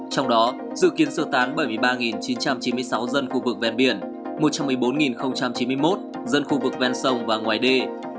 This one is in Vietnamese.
trong đó dự kiến sơ tán bảy mươi ba chín trăm chín mươi sáu dân khu vực ven biển một trăm một mươi bốn chín mươi một dân khu vực ven sông và ngoài đê